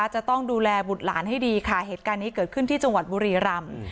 จะต้องดูแลบุตรหลานให้ดีค่ะเหตุการณ์นี้เกิดขึ้นที่จังหวัดบุรีรำ